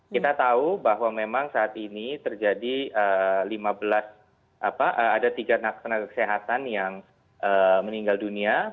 kita tahu bahwa memang saat ini terjadi lima belas ada tiga tenaga kesehatan yang meninggal dunia